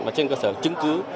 và trên cơ sở chứng cứ